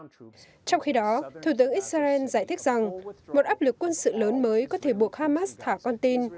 trong khi đó thủ tướng israel giải thích rằng một áp lực quân sự lớn mới có thể buộc hamas thả con tin